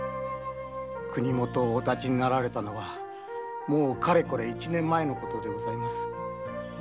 国許をお発ちになられたのはかれこれ一年前でございます。